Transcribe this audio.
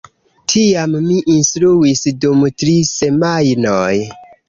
Tiam mi instruis dum tri semajnoj.